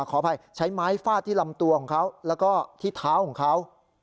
ขออภัยใช้ไม้ฟาดที่ลำตัวของเขาแล้วก็ที่เท้าของเขา